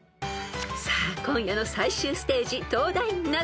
［さあ今夜の最終ステージ東大ナゾトレ］